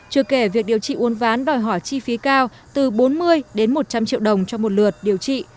chưa kể việc điều trị uốn ván đòi hỏi chi phí cao từ bốn mươi đến một trăm linh triệu đồng cho một lượt điều trị